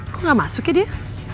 kok gak masuk ya dia